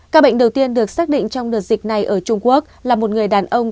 ca bệnh đầu tiên được xác định trong đợt dịch này ở trung quốc là một người đàn ông